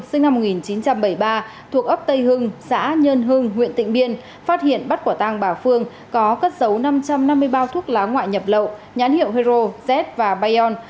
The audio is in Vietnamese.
sinh năm một nghìn chín trăm bảy mươi ba thuộc ấp tây hưng xã nhơn hưng huyện tịnh biên phát hiện bắt quả tàng bà phương có cất dấu năm trăm năm mươi bao thuốc lá ngoại nhập lậu nhãn hiệu hero z và bayon